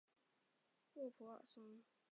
沃普瓦松。